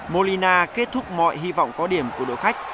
molina kết thúc mọi hy vọng có điểm của đội khách